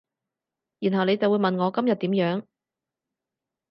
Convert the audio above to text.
然後你就會問我今日點樣